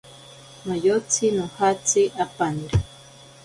Noyotsi nojatsi apaniro.